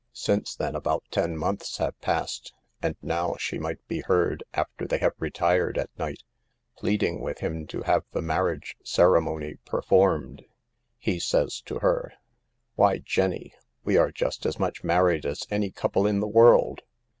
"Since then about ten months have passed; and now she might be heard, after they have retired at night, pleading with him to have the marriage ceremony performed. He says to her :" 6 Why, Jennie, we are just as much mar ried as any couple in the world